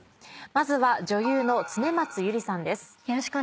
まずは女優の恒松祐里さんです。